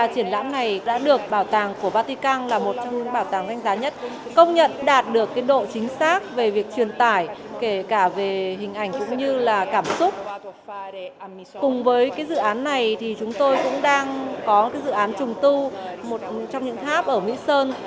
kể cả về hình ảnh cũng như là cảm xúc cùng với cái dự án này thì chúng tôi cũng đang có cái dự án trùng tu một trong những tháp ở mỹ sơn